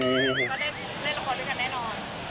ก็ได้เล่นละครด้วยกันแน่นอน